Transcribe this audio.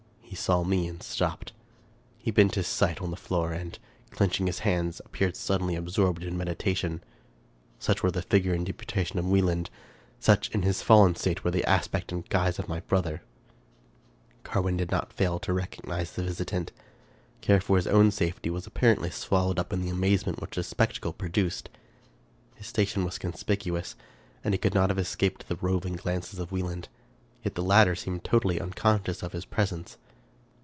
He saw me and stopped. He bent his sight on the floor, and, clenching his hands, appeared suddenly absorbed in meditation. Such were the figure and deport ment of Wieland ! Such, in his fallen state, were the aspect and guise of my brother! 288 Charles Brockden Brown Carwin did not fail to recognize the visitant. Care for his own safety was apparently swallowed up in the amaze ment which this spectacle produced. His station was con spicuous, and he could not have escaped the roving glances of Wieland ; yet the latter seemed totally unconscious of his presence.